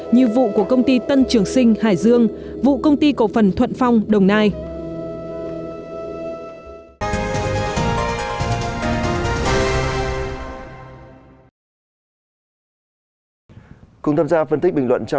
như vụ của công ty tân trường sinh hải dương vụ công ty cổ phần thuận phong đồng nai